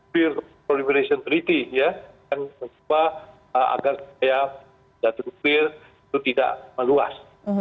peer proliferation treaty agar saya dan tentu peer itu tidak meluas